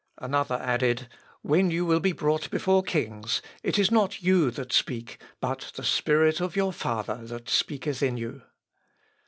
_" Another added, "_When you will be brought before kings it is not you that speak but the Spirit of your Father that speaketh in you.